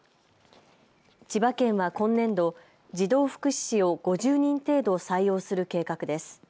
千葉県は今年度、児童福祉司を５０人程度、採用する計画です。